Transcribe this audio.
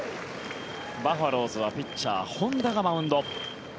バファローズはピッチャー、本田がマウンド。